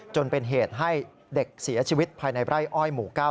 จนเป็นเหตุให้เด็กเสียชีวิตภายในไร่อ้อยหมู่๙